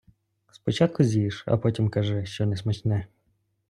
Спочатку з'їж, а потім кажи, що несмачне.